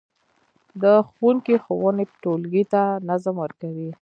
د ښوونکي ښوونې ټولګي ته نظم ورکوي.